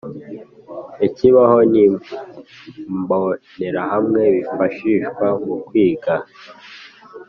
Ikibaho n imbonerahamwe bifashishwa mu kwiga